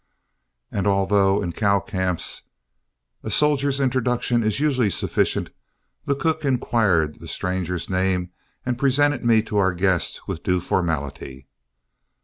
And although in cow camps a soldier's introduction is usually sufficient, the cook inquired the stranger's name and presented me to our guest with due formality.